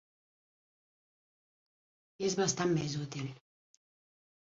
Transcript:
I és bastant més útil.